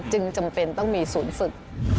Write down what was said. จำเป็นต้องมีศูนย์ฝึก